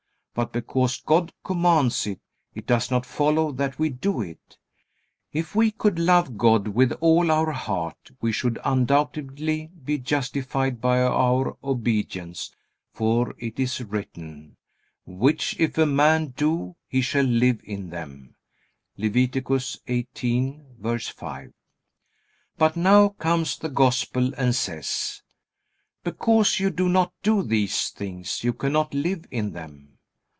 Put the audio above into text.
But because God commands it, it does not follow that we do it. If we could love God with all our heart we should undoubtedly be justified by our obedience, for it is written, "Which if a man do, he shall live in them." (Lev. 18:5.) But now comes the Gospel and says: "Because you do not do these things, you cannot live in them."